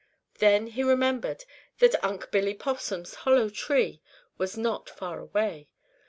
Then he remembered that Unc' Billy Possum's hollow tree was not far away.